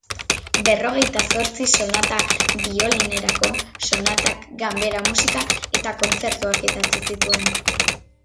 Berrogeita zortzi sonata biolinerako, sonatak, ganbera-musika eta kontzertuak idatzi zituen.